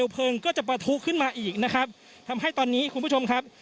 เพลิงก็จะประทุขึ้นมาอีกนะครับทำให้ตอนนี้คุณผู้ชมครับ